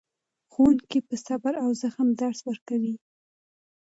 ښوونکي په صبر او زغم درس ورکوي.